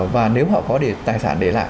và nếu họ có để tài sản để lại